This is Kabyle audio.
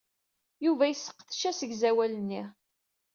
Yuba yesseqdec asegzawal-nni.